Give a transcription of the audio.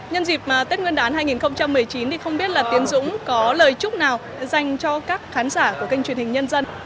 nhân dịp tết nguyên đán hai nghìn một mươi chín thì không biết là tiến dũng có lời chúc nào dành cho các khán giả của kênh truyền hình nhân dân